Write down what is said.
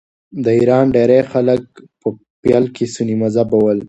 د ایران ډېری خلک په پیل کې سني مذهبه ول.